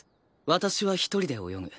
私は１人で泳ぐ。